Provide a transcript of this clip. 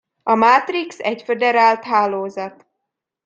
A Matrix egy föderált hálózat.